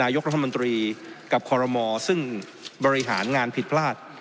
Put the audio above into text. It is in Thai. ยกรัฐมนตรีกับคอรมอซึ่งบริหารงานผิดพลาด